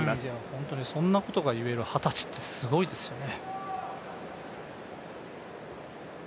本当にそんなことが言える二十歳って、すごいですよね。